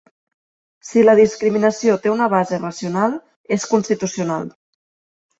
Si la discriminació té una base racional, és constitucional.